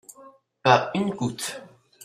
Pas une goutte.